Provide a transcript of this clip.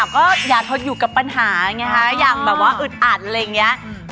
ก็อย่าทนอยู่กับปัญหาอย่างอึดอัดเลยอย่างนี้